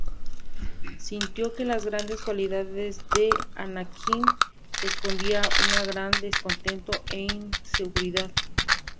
Sintió que las grandes cualidades de Anakin escondían un gran descontento e inseguridad.